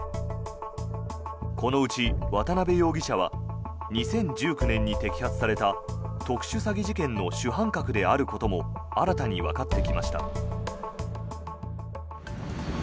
このうち渡邉容疑者は２０１９年に摘発された特殊詐欺事件の主犯格であることも新たにわかってきました。